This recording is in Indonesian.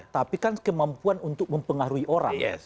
tapi kan kemampuan untuk mempengaruhi orang